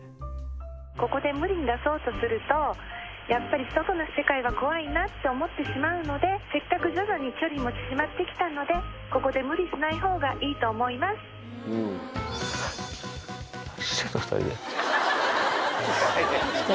ここで無理に出そうとすると、やっぱり外の世界は怖いなって思ってしまうので、せっかく徐々に距離も縮まってきたので、ここで無理しないほうが何してんだ、２人で。